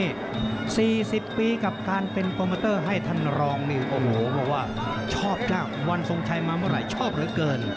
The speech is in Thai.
นี่๔๐ปีกับการเป็นโปรโมเตอร์ให้ท่านรองนี่โอ้โหบอกว่าชอบเจ้าวันทรงชัยมาเมื่อไหร่ชอบเหลือเกิน